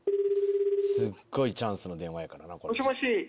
すっごいチャンスの電話やからな。